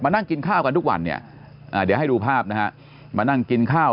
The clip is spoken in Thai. นั่งกินข้าวกันทุกวันเนี่ยเดี๋ยวให้ดูภาพนะฮะมานั่งกินข้าว